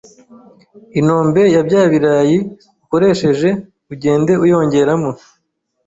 inombe ya bya birayi ukoresheje ugenda uyongeramo